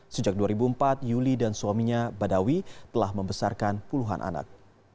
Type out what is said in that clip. sejak dua ribu empat yuli dan suaminya badawi telah membesarkan puluhan anak